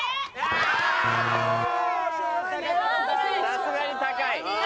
さすがに高い。